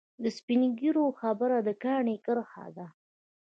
د سپین ږیرو خبره د کاڼي کرښه ده.